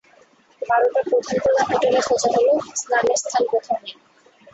বারোটা প্রধান প্রধান হোটেলে খোঁজা হল, স্নানের স্থান কোথাও নেই।